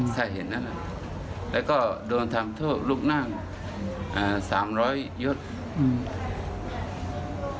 ถ้าเห็นนั้นแล้วก็โดนทำโทษลูกนั่งอ่าสามร้อยยศอืม